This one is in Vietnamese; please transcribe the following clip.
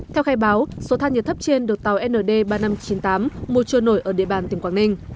theo khai báo số than nhiệt thấp trên được tàu nd ba nghìn năm trăm chín mươi tám mua trôi nổi ở địa bàn tỉnh quảng ninh